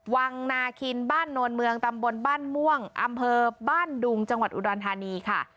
วังนาคินบ้านโนนเมืองตำบลบ้านม่วงอำเภอบ้านดุงจังหวัดอุดรธานีค่ะ